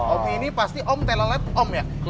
oke ini pasti om telolet om ya